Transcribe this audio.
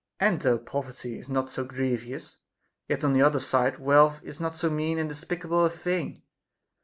And though poverty is not so grievous, yet on the other side, wealth is not so mean and despicable a thing.